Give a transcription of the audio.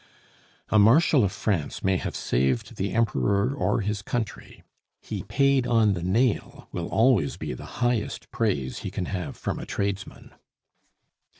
A marshal of France may have saved the Emperor or his country; "He paid on the nail" will always be the highest praise he can have from a tradesman.